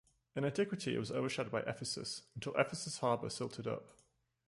In antiquity it was overshadowed by Ephesus, until Ephesus' harbor silted up.